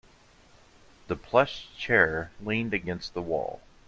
The plush chair leaned against the wall.